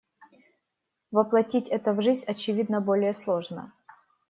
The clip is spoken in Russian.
Воплотить это в жизнь, очевидно, более сложно.